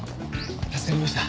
助かりました。